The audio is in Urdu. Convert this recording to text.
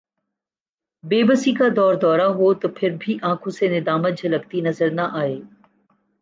بے بسی کا دوردورہ ہو تو پھربھی آنکھوں سے ندامت جھلکتی نظر نہ آئے